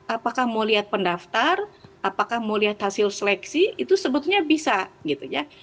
apakah mau lihat pendaftar apakah mau lihat hasil seleksi itu sebetulnya bisa gitu ya